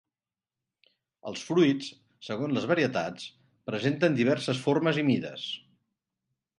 Els fruits, segons les varietats, presenten diverses formes i mides.